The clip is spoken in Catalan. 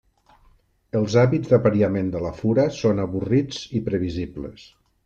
Els hàbits d'apariament de la fura són avorrits i previsibles.